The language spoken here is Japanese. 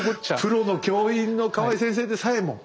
プロの教員の河合先生でさえも。